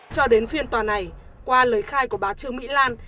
cho đến phiên tòa này qua lời khai của bà trương mỹ lan